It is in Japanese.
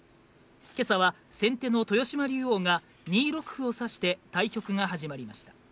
今朝は先手の豊島竜王が２六歩を指して対局が始まりました。